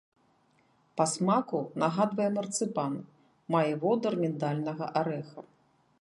Па смаку нагадвае марцыпан, мае водар міндальнага арэха.